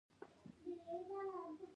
دې کار له یوه ذهنه سرچینه اخیستې وه